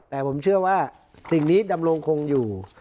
แต่ผมเชื่อว่าสิ่งนี้ดำรงคงอยู่